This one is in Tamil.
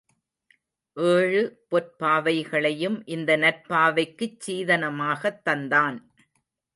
ஏழு பொற்பாவைகளையும் இந்த நற்பாவைக்குச் சீதனமாகத் தந்தான்.